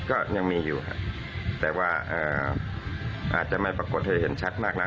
ก็ยังมีอยู่ครับแต่ว่าอาจจะไม่ปรากฏให้เห็นชัดมากนัก